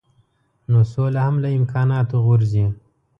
نو سوله هم له امکاناتو غورځي.